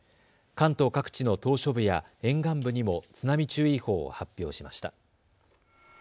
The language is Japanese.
関東各地の島しょ部や沿岸部にも津波注意報を発表しました。